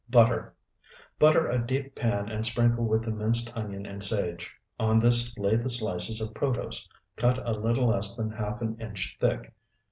Butter. Butter a deep pan and sprinkle with the minced onion and sage. On this lay the slices of protose, cut a little less than half an inch thick.